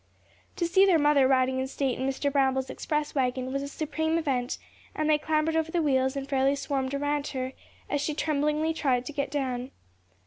To see their mother riding in state in Mr. Bramble's express wagon was a supreme event, and they clambered over the wheels and fairly swarmed around her, as she tremblingly tried to get down.